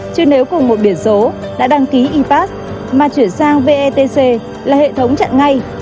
chứ nếu cùng một biển số đã đăng ký inpass mà chuyển sang vetc là hệ thống chặn ngay